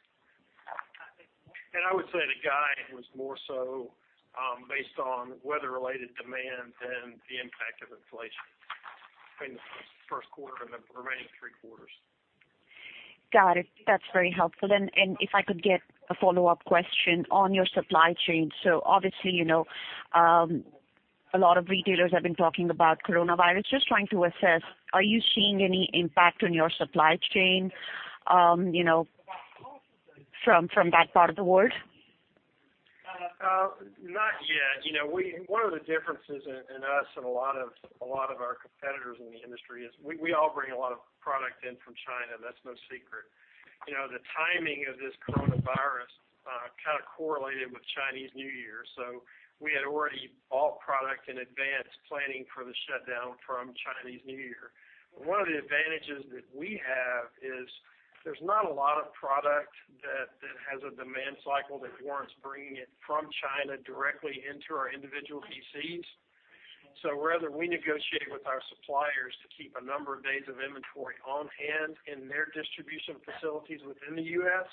Speaker 3: I would say the guide was more so based on weather-related demand than the impact of inflation between the first quarter and the remaining three quarters.
Speaker 11: Got it. That's very helpful. If I could get a follow-up question on your supply chain. Obviously, a lot of retailers have been talking about coronavirus. Just trying to assess, are you seeing any impact on your supply chain from that part of the world?
Speaker 3: Not yet. One of the differences in us and a lot of our competitors in the industry is we all bring a lot of product in from China. That's no secret. The timing of this coronavirus kind of correlated with Chinese New Year, so we had already bought product in advance planning for the shutdown from Chinese New Year. One of the advantages that we have is there's not a lot of product that has a demand cycle that warrants bringing it from China directly into our individual DCs. Rather, we negotiate with our suppliers to keep a number of days of inventory on hand in their distribution facilities within the U.S.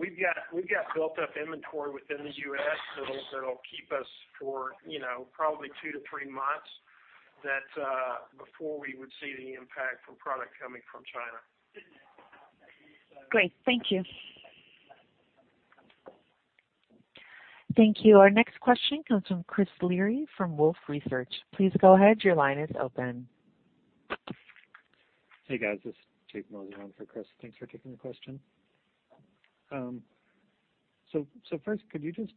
Speaker 3: We've got built-up inventory within the U.S. that'll keep us for probably two to three months before we would see the impact from product coming from China.
Speaker 11: Great. Thank you.
Speaker 1: Thank you. Our next question comes from Chris Leary from Wolfe Research. Please go ahead. Your line is open.
Speaker 12: Hey, guys. This is Jake Moser on for Chris. Thanks for taking the question. First, could you just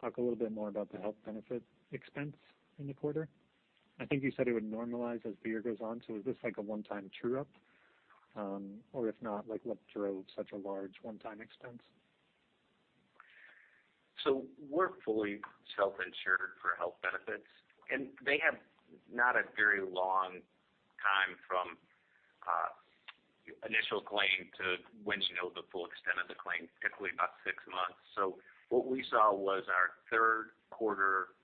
Speaker 12: talk a little bit more about the health benefit expense in the quarter? I think you said it would normalize as the year goes on. Is this like a one-time true-up? If not, what drove such a large one-time expense?
Speaker 2: We're fully self-insured for health benefits, and they have not a very long time from initial claim to when you know the full extent of the claim, typically about six months. What we saw was our third quarter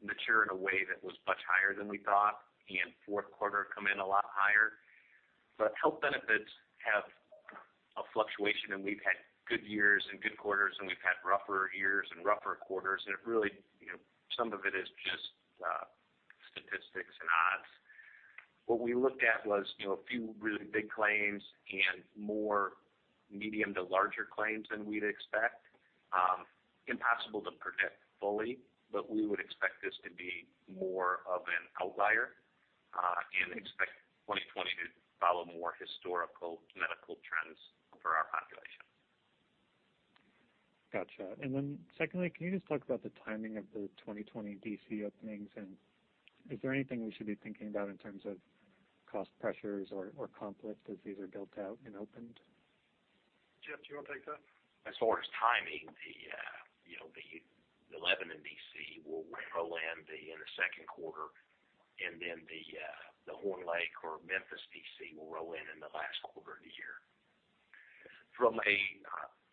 Speaker 2: mature in a way that was much higher than we thought and fourth quarter come in a lot higher. Health benefits have a fluctuation and we've had good years and good quarters, and we've had rougher years and rougher quarters, and some of it is just statistics and odds. What we looked at was a few really big claims and more medium to larger claims than we'd expect. Impossible to predict fully, but we would expect this to be more of an outlier and expect 2020 to follow more historical medical trends for our population.
Speaker 12: Got you. Secondly, can you just talk about the timing of the 2020 DC openings and is there anything we should be thinking about in terms of cost pressures or conflict as these are built out and opened?
Speaker 3: Jeff, do you want to take that?
Speaker 4: As far as timing, the Lebanon DC will roll in in the second quarter, and then the Horn Lake or Memphis DC will roll in the last quarter of the year. From a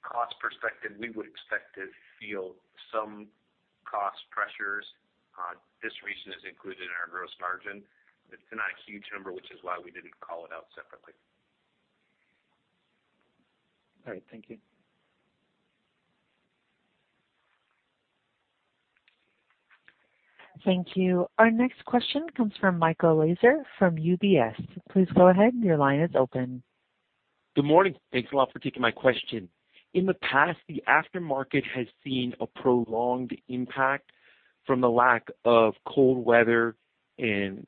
Speaker 4: cost perspective, we would expect to feel some cost pressures. This reason is included in our gross margin. It's not a huge number, which is why we didn't call it out separately.
Speaker 12: All right. Thank you.
Speaker 1: Thank you. Our next question comes from Michael Lasser from UBS. Please go ahead. Your line is open.
Speaker 13: Good morning. Thanks a lot for taking my question. In the past, the aftermarket has seen a prolonged impact from the lack of cold weather, particularly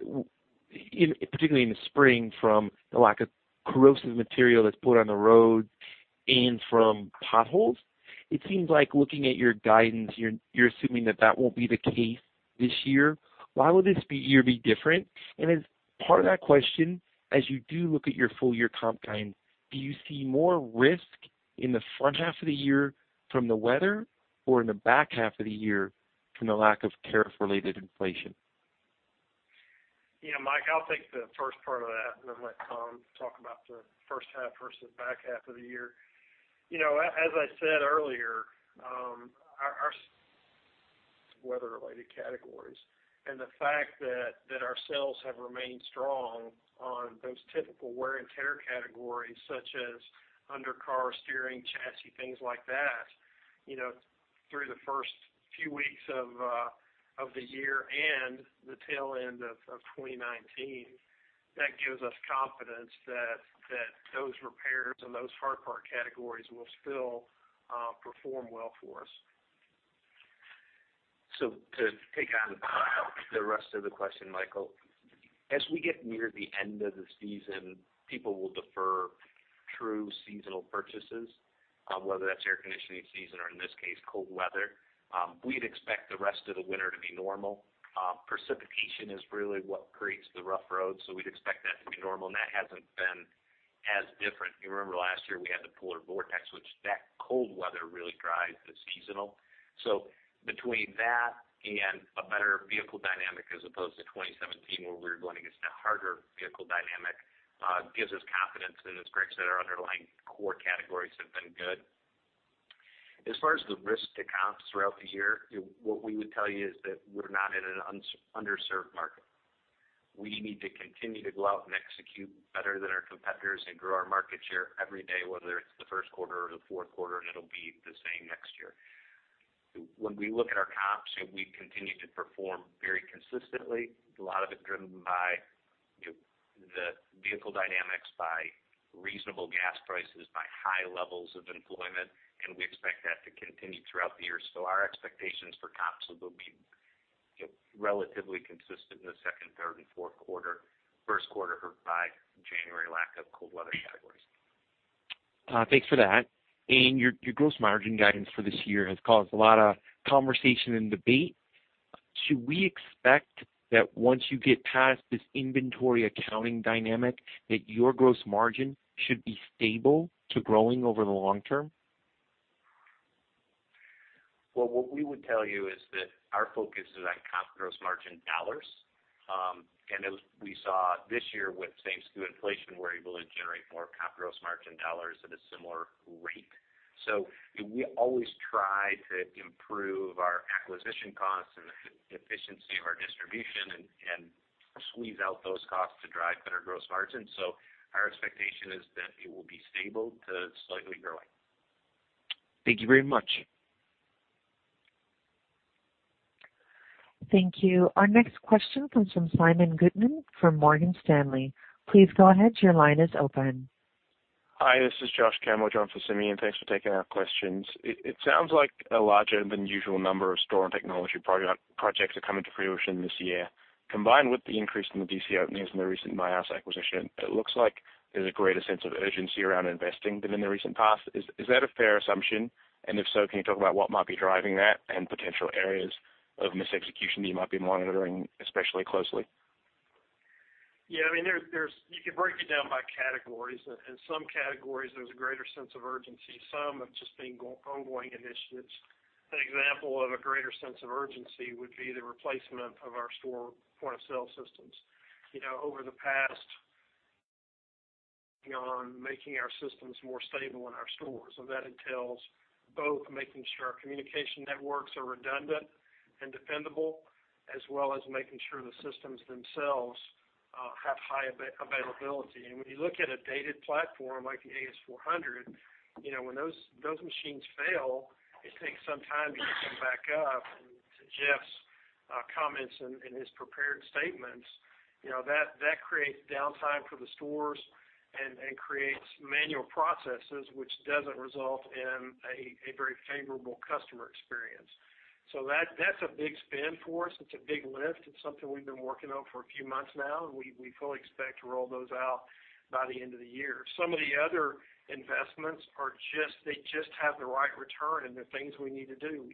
Speaker 13: in the spring, from the lack of corrosive material that's put on the roads and from potholes. It seems like looking at your guidance, you're assuming that that won't be the case this year. Why would this year be different? As part of that question, as you do look at your full-year comp guidance, do you see more risk in the front half of the year from the weather or in the back half of the year from the lack of tariff-related inflation?
Speaker 3: Mike, I'll take the first part of that and then let Tom talk about the first half versus back half of the year. As I said earlier, our weather-related categories and the fact that our sales have remained strong on those typical wear and tear categories such as under car, steering, chassis, things like that, through the first few weeks of the year and the tail end of 2019, that gives us confidence that those repairs and those hard part categories will still perform well for us.
Speaker 2: To take on the rest of the question, Michael, as we get near the end of the season, people will defer true seasonal purchases, whether that's air conditioning season or in this case, cold weather. We'd expect the rest of the winter to be normal. Precipitation is really what creates the rough roads, so we'd expect that to be normal, and that hasn't been as different. You remember last year we had the polar vortex, which that cold weather really drives the seasonal. Between that and a better vehicle dynamic as opposed to 2017 where we were going against a harder vehicle dynamic gives us confidence. As Greg said, our underlying core categories have been good. As far as the risk to comps throughout the year, what we would tell you is that we're not in an underserved market. We need to continue to go out and execute better than our competitors and grow our market share every day, whether it's the first quarter or the fourth quarter, and it'll be the same next year. When we look at our comps, we continue to perform very consistently. A lot of it's driven by the vehicle dynamics, by reasonable gas prices, by high levels of employment, and we expect that to continue throughout the year. Our expectations for comps will be relatively consistent in the second, third, and fourth quarter. First quarter hurt by January lack of cold weather categories.
Speaker 13: Thanks for that. Your gross margin guidance for this year has caused a lot of conversation and debate. Should we expect that once you get past this inventory accounting dynamic that your gross margin should be stable to growing over the long term?
Speaker 2: Well, what we would tell you is that our focus is on comp gross margin dollars. As we saw this year with same SKU inflation, we're able to generate more comp gross margin dollars at a similar rate. We always try to improve our acquisition costs and the efficiency of our distribution and squeeze out those costs to drive better gross margin. Our expectation is that it will be stable to slightly growing.
Speaker 13: Thank you very much.
Speaker 1: Thank you. Our next question comes from Simeon Gutman from Morgan Stanley. Please go ahead. Your line is open.
Speaker 14: Hi, this is Josh Kamboj, joined for Simeon. Thanks for taking our questions. It sounds like a larger than usual number of store and technology projects are coming to fruition this year. Combined with the increase in the DC openings and the recent Mayasa acquisition, it looks like there's a greater sense of urgency around investing than in the recent past. Is that a fair assumption? If so, can you talk about what might be driving that and potential areas of misexecution that you might be monitoring especially closely?
Speaker 3: You can break it down by categories. In some categories, there's a greater sense of urgency. Some have just been ongoing initiatives. An example of a greater sense of urgency would be the replacement of our store point-of-sale systems. Over the past, making our systems more stable in our stores, that entails both making sure our communication networks are redundant and dependable, as well as making sure the systems themselves have high availability. When you look at a dated platform like the AS/400, when those machines fail, it takes some time to come back up. To Jeff's comments in his prepared statements, that creates downtime for the stores and creates manual processes, which doesn't result in a very favorable customer experience. That's a big spend for us. It's a big lift. It's something we've been working on for a few months now, and we fully expect to roll those out by the end of the year. Some of the other investments, they just have the right return and they're things we need to do.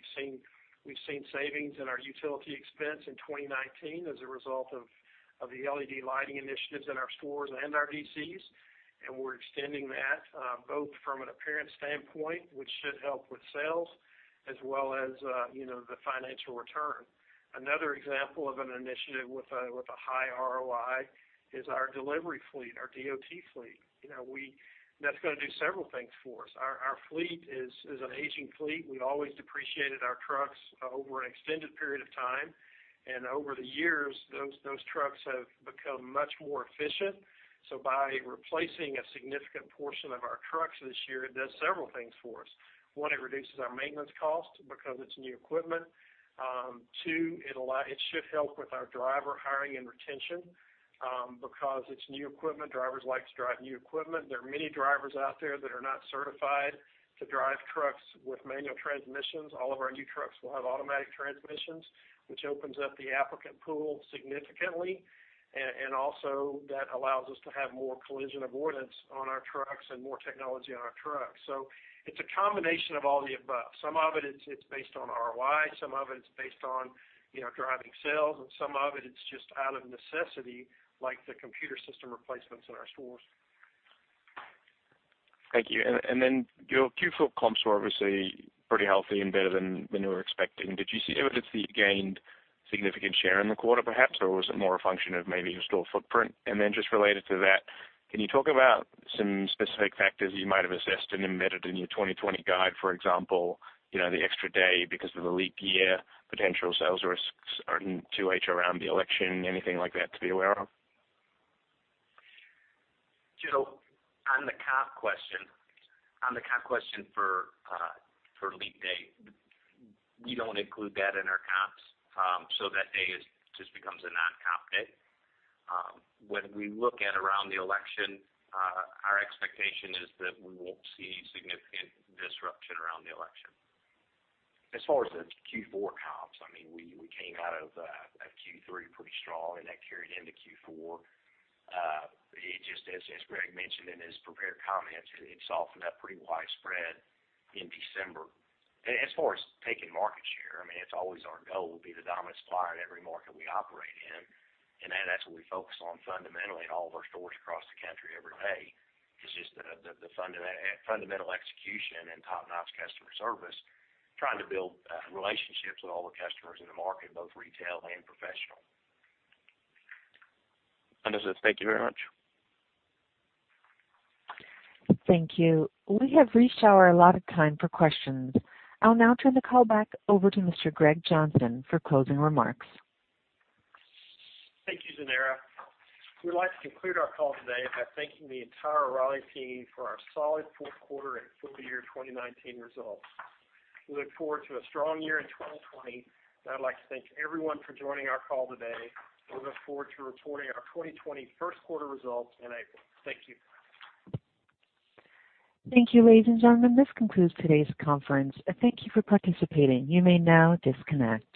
Speaker 3: We've seen savings in our utility expense in 2019 as a result of the LED lighting initiatives in our stores and our DCs. We're extending that both from an appearance standpoint, which should help with sales, as well as the financial return. Another example of an initiative with a high ROI is our delivery fleet, our DOT fleet. That's going to do several things for us. Our fleet is an aging fleet. We've always depreciated our trucks over an extended period of time. Over the years, those trucks have become much more efficient. By replacing a significant portion of our trucks this year, it does several things for us. One, it reduces our maintenance cost because it's new equipment. Two, it should help with our driver hiring and retention because it's new equipment. Drivers like to drive new equipment. There are many drivers out there that are not certified to drive trucks with manual transmissions. All of our new trucks will have automatic transmissions, which opens up the applicant pool significantly, and also that allows us to have more collision avoidance on our trucks and more technology on our trucks. It's a combination of all the above. Some of it is based on ROI, some of it is based on driving sales, and some of it is just out of necessity, like the computer system replacements in our stores.
Speaker 14: Thank you. Your Q4 comps were obviously pretty healthy and better than you were expecting. Did you see evidence that you gained significant share in the quarter, perhaps? Was it more a function of maybe your store footprint? Just related to that, can you talk about some specific factors you might have assessed and embedded in your 2020 guide? For example, the extra day because of the leap year potential sales risks, certain 2H around the election, anything like that to be aware of?
Speaker 2: Joe, on the comp question for leap day, we don't include that in our comps. That day just becomes a non-comp day. When we look at around the election, our expectation is that we won't see any significant disruption around the election.
Speaker 4: As far as the Q4 comps, we came out of Q3 pretty strong, and that carried into Q4. As Greg mentioned in his prepared comments, it softened up pretty widespread in December. As far as taking market share, it's always our goal to be the dominant supplier in every market we operate in, and that's what we focus on fundamentally in all of our stores across the country every day. It's just the fundamental execution and top-notch customer service, trying to build relationships with all the customers in the market, both retail and professional.
Speaker 14: Understood. Thank you very much.
Speaker 1: Thank you. We have reached our allotted time for questions. I'll now turn the call back over to Mr. Greg Johnson for closing remarks.
Speaker 3: Thank you, Zanera. We'd like to conclude our call today by thanking the entire O'Reilly team for our solid fourth quarter and full year 2019 results. We look forward to a strong year in 2020, and I'd like to thank everyone for joining our call today. We look forward to reporting our 2020 first quarter results in April. Thank you.
Speaker 1: Thank you. Ladies and gentlemen, this concludes today's conference. Thank you for participating. You may now disconnect.